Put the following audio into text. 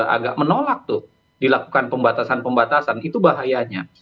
agak menolak tuh dilakukan pembatasan pembatasan itu bahayanya